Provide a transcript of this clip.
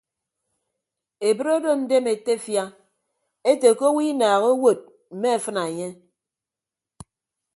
Ebre odo ndem etefia ete ke owo inaaha owod mme afịna enye.